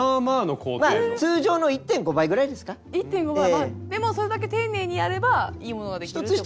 まあでもそれだけ丁寧にやればいいものができるってことですよね？